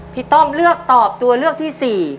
ต้อมเลือกตอบตัวเลือกที่๔